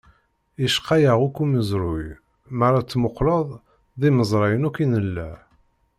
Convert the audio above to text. Yecqa-yaɣ akk umezruy, mara tmuqleḍ, d imezrayen akk i nella.